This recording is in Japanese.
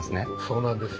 そうなんです。